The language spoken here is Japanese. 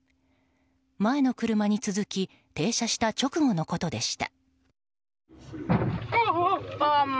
前の車に続き停車した直後のことでした。